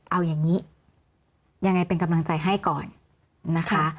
เอาอย่างนี้ยังไงเป็นกำลังใจให้ก่อนนะคะ